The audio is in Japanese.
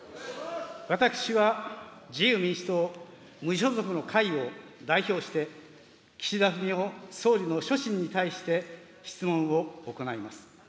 私は自由民主党・無所属の会を代表して、岸田文雄総理の所信に対して質問を行います。